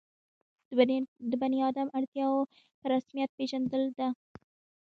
د بني آدم اړتیاوو په رسمیت پېژندل ده.